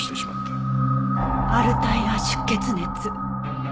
アルタイラ出血熱！？